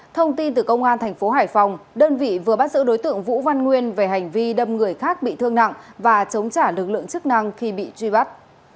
thông tin từ công an thành phố hải phòng đơn vị vừa bắt giữ đối tượng vũ văn nguyên về hành vi đâm người khác bị thương nặng và chống trả lực lượng chức năng khi bị truy bắt